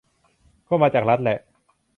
ก็มาจากรัฐแหละ